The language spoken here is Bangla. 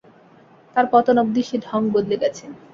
তাঁর পতন অবধি সে ঢঙ বদলে গেছে।